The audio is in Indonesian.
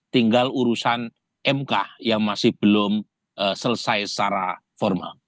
tinggal urusan mk yang masih belum selesai secara formal